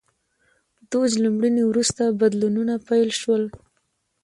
دوج له مړینې وروسته بدلونونه پیل شول.